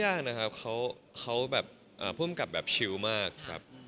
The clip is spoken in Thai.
เรื่องแรกไม่ค่อยยากนะครับเขาแบบพุ่งกับแบบชิวมากครับ